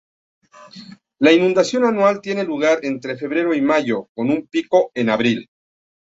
La inundación anual tiene lugar entre febrero y mayo con un pico en abril.